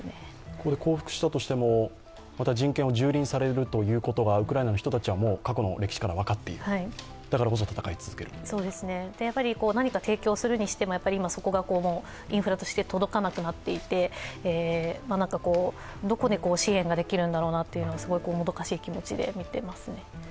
ここで降伏したとしてもまた人権をじゅうりんされることがウクライナの人たちは過去の歴史から分かっている、何か提供するにしても、そこにインフラとして届かなくなっていて、どこに支援ができるんだろうなというのがすごいもどかしい気持ちで見ていますね。